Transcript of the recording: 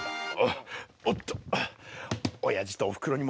おっとおやじとおふくろにも報告しないと。